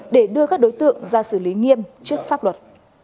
để đưa các đối tượng ra xử lý nghiêm trước pháp luật